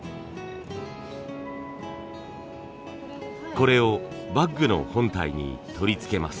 これをバッグの本体に取り付けます。